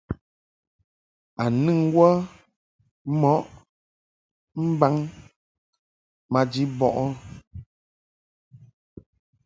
A nɨŋ wə mo mbaŋ maji bɔʼɨ ?